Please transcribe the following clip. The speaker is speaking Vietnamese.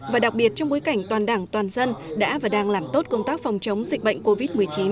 và đặc biệt trong bối cảnh toàn đảng toàn dân đã và đang làm tốt công tác phòng chống dịch bệnh covid một mươi chín